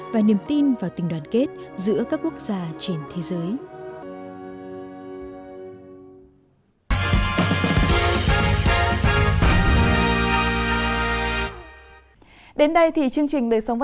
và niềm tin vào tình đoàn kết giữa các quốc gia trên thế giới